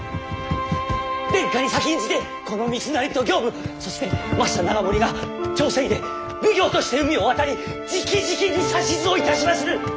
殿下に先んじてこの三成と刑部そして増田長盛が朝鮮へ奉行として海を渡りじきじきに指図をいたしまする！